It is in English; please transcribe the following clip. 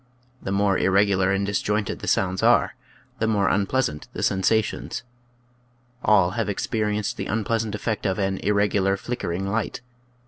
The more irregular and disjointed the sounds are, the more unpleasant the sen sations. All have experienced the unpleasant effect of an irregular, flickering light.